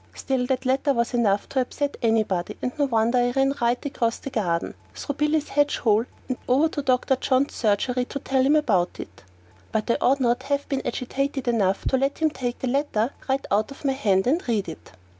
Still, that letter was enough to upset anybody, and no wonder I ran right across my garden, through Billy's hedge hole and over into Dr. John's surgery to tell him about it; but I ought not to have been agitated enough to let him take the letter right out of my hand and read it.